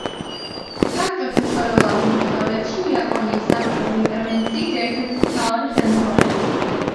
საბჭოთა შორეულ აღმოსავლეთში იაპონიის სამხედრო ინტერვენციის ერთ-ერთი მთავარი ხელმძღვანელი.